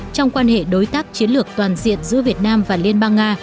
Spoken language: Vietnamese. trong quan hệ đối tác chiến lược toàn diện giữa việt nam và liên bang nga